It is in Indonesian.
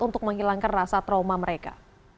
untuk menghilangkan rasa trauma mereka